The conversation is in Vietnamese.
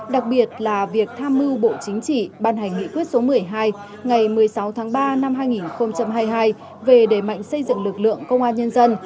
đặc biệt là việc tham mưu bộ chính trị ban hành nghị quyết số một mươi hai ngày một mươi sáu tháng ba năm hai nghìn hai mươi hai về đề mạnh xây dựng lực lượng công an nhân dân